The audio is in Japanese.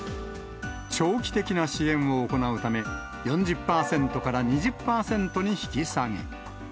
長期的な支援を行うため、４０％から２０％に引き下げ。